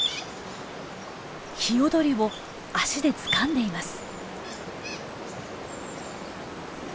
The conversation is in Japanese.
ヒヨドリを脚でつかんでいます。